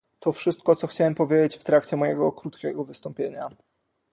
To wszystko, co chciałem powiedzieć w trakcie mojego krótkiego wystąpienia